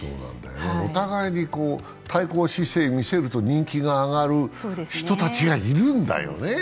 お互いに対抗姿勢を見せると人気が上がる人たちがいるんだよね。